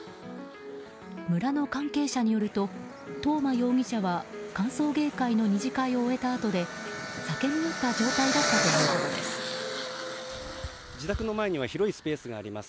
村の関係者によると東間容疑者は歓送迎会の２次会を終えたあとで酒に酔った状態だった自宅の前には広いスペースがあります。